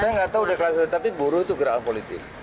saya nggak tahu udah kelas tapi buruh itu gerakan politik